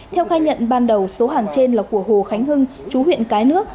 theo khai nhận ban đầu số hàng trên là của hồ khánh hưng chú huyện cái nước